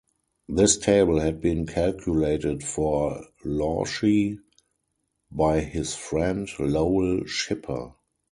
This table had been calculated for Lawshe by his friend, Lowell Schipper.